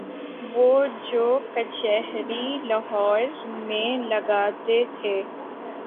وہ جو کچہری لاہور میں لگاتے تھے۔